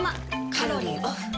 カロリーオフ。